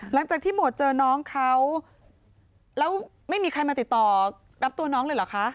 หลังจากที่หมดเจอน้องเขาแล้วไม่มีใครมาติดต่อรับตัวน้องเลยเหรอคะ